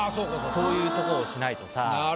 そういうとこをしないとさ。